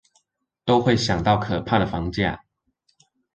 都會想到可怕的房價